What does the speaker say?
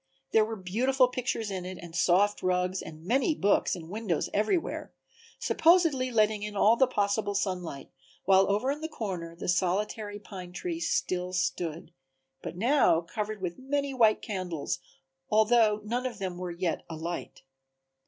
There were beautiful pictures in it and soft rugs and many books and windows everywhere, supposedly letting in all the possible sunlight, while over in the corner the solitary pine tree still stood, but now covered with many white candles, although none of them were yet a light.